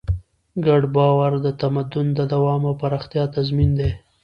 ګډ باور د تمدن د دوام او پراختیا تضمین دی.